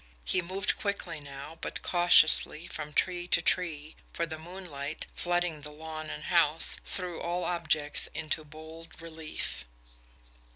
He moved quickly now, but cautiously, from tree to tree, for the moonlight, flooding the lawn and house, threw all objects into bold relief.